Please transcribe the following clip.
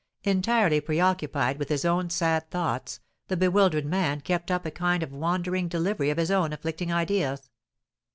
Entirely preoccupied with his own sad thoughts, the bewildered man kept up a kind of wandering delivery of his own afflicting ideas.